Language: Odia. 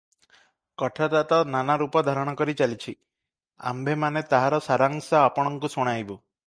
କଥାଟା ତ ନାନା ରୂପ ଧାରଣ କରି ଚାଲିଛି, ଆମ୍ଭେମାନେ ତାହାର ସାରାଂଶ ଆପଣଙ୍କୁ ଶୁଣାଇବୁ ।